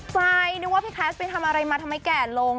ใช่นึกว่าพี่แครสเป็นทำอะไรมาทำให้แก่นลง